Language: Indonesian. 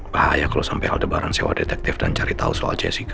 bahaya kalau sampai ada barang sewa detektif dan cari tahu soal jessica